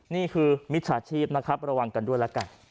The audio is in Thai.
มิจฉาชีพนะครับระวังกันด้วยแล้วกัน